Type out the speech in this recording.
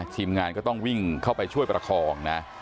ทีมงานก็ต้องวิ่งเข้าไปช่วยประคองนะ